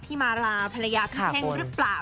พี่มาราภรรยาพิเทงหรือเปล่า